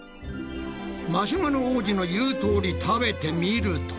マシュマロ王子の言うとおり食べてみると。